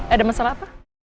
ada masalah apa